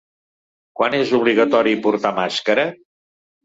Quan és obligatori portar màscara?